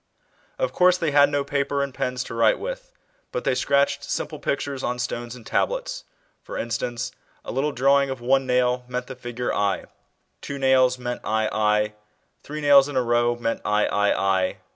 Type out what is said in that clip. , Of course they had no paper and pens to write with, but they scratched simple pictures on stones and tablets. For instance, a little draw ipg of one nail meant the figure L, two nails B.O. 1921.] THE CALL OP ABRAHAM. 3 meant II., three nails in a row meant III.